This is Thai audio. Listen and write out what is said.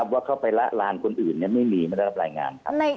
ว่าเข้าไปละลานคนอื่นไม่มีไม่ได้รับรายงานครับ